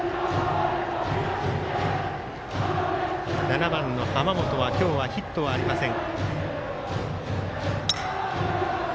７番の濱本は今日はヒットはありません。